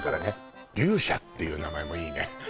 牛舎っていう名前もいいね